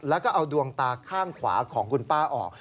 แล้วก็เอาดวงตาข้างขวาของคุณป้าออก